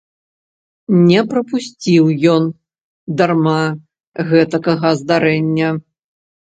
Не прапусціў ён дарма гэтакага здарэння.